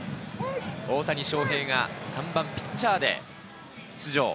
大谷翔平が３番ピッチャーで出場。